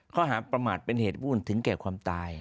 ข้อหาประมาทเป็นเหตุวุ่นถึงแก่ความตาย